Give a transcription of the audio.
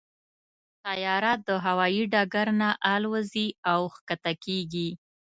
طیاره د هوايي ډګر نه الوزي او کښته کېږي.